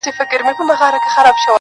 یې ذوق پښتون ذوق دی